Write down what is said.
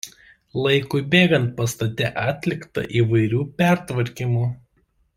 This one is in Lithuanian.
Laikui bėgant pastate atlikta įvairių pertvarkymų.